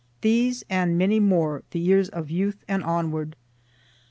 These, and many more, the years of youth and onward.